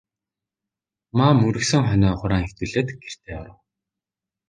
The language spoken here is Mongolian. Маам үргэсэн хонио хураан хэвтүүлээд гэртээ оров.